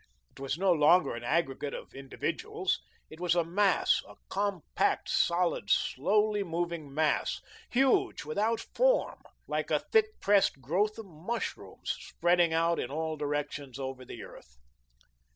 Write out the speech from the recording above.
It was no longer an aggregate of individuals. It was a mass a compact, solid, slowly moving mass, huge, without form, like a thick pressed growth of mushrooms, spreading out in all directions over the earth.